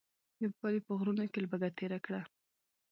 یو کال یې په غرونو کې لوږه تېره کړه.